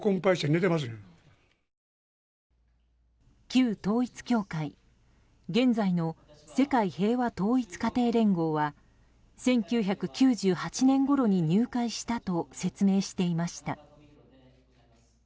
旧統一教会現在の世界平和統一家庭連合は１９９８年ごろに入会したと説明していました。